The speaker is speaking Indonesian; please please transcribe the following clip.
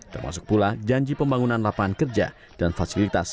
termasuk pula janji pembangunan lapangan kerja dan fasilitas